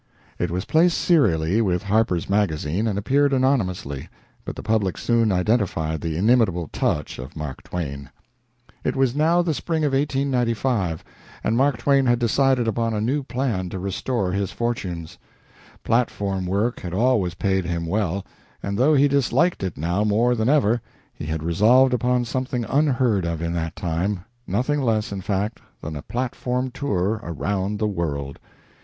It was placed serially with "Harper's Magazine" and appeared anonymously, but the public soon identified the inimitable touch of Mark Twain. It was now the spring of 1895, and Mark Twain had decided upon a new plan to restore his fortunes. Platform work had always paid him well, and though he disliked it now more than ever, he had resolved upon something unheard of in that line nothing less, in fact, than a platform tour around the world.